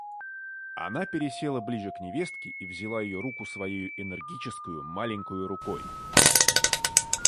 Она пересела ближе к невестке и взяла ее руку своею энергическою маленькою рукой.